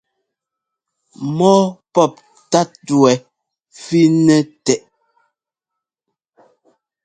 Mɔ́ɔ pɔ́p tát wɛ fí-nɛ tɛʼ.